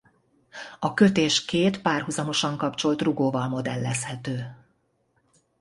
A kötés két párhuzamosan kapcsolt rugóval modellezhető.